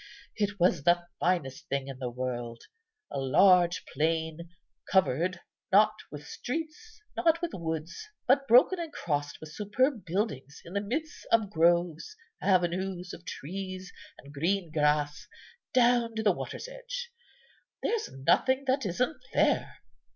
It was the finest thing in the world. A large plain, covered, not with streets, not with woods, but broken and crossed with superb buildings in the midst of groves, avenues of trees, and green grass, down to the water's edge. There's nothing that isn't there.